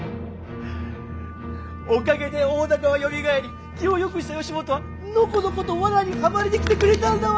おかげで大高はよみがえり気をよくした義元はのこのこと罠にはまりに来てくれたんだわ。